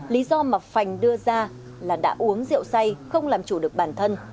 lý do mà phành đưa ra là đã uống rượu say không làm chủ được bản thân